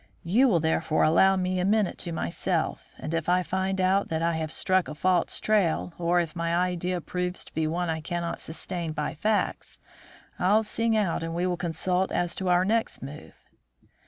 You will therefore allow me a minute to myself, and if I find out that I have struck a false trail, or if my idea proves to be one I cannot sustain by facts, I'll sing out and we will consult as to our next move."